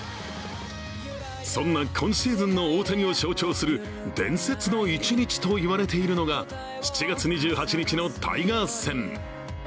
そんな今シーズンの大谷を象徴する伝説の一日といわれているのが７月２８日のタイガース戦。